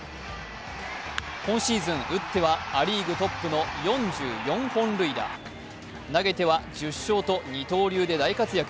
今シーズン、打ってはア・リーグトップの４４本塁打、投げては１０勝と二刀流で大活躍。